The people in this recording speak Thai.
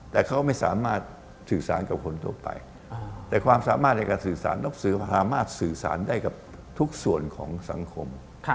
แต่เขาไม่สามารถสื่อสารกับคนทั่วไปแต่ความสามารถในการสื่อสารหนังสือสามารถสื่อสารได้กับทุกส่วนของสังคม